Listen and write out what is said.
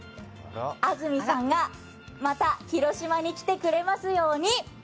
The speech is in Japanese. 安住さんがまた広島に来てくれますように！